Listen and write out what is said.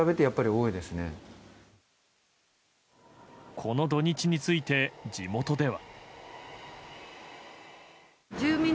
この土日について、地元では。